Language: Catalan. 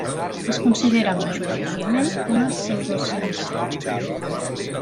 Es considera majoritàriament una pseudociència.